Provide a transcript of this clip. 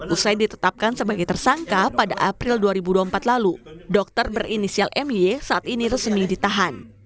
usai ditetapkan sebagai tersangka pada april dua ribu dua puluh empat lalu dokter berinisial my saat ini resmi ditahan